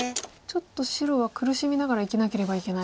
ちょっと白は苦しみながら生きなければいけない。